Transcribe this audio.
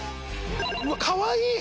うわっかわいい！！